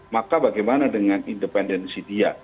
maka bagaimana dengan independensi dia